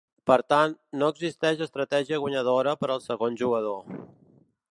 Per tant, no existeix estratègia guanyadora per al segon jugador.